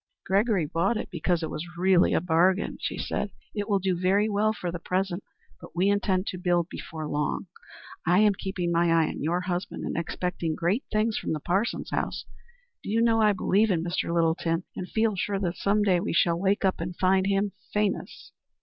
"Gregory bought it because it was really a bargain," she said. "It will do very well for the present, but we intend to build before long. I am keeping my eye on your husband, and am expecting great things from the Parsons house. Do you know, I believe in Mr. Littleton, and feel sure that some day we shall wake up and find him famous."